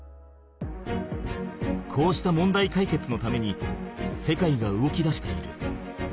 こうした問題かいけつのために世界が動きだしている。